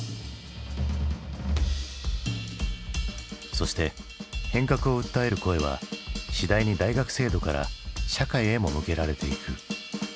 そして変革を訴える声は次第に大学制度から社会へも向けられていく。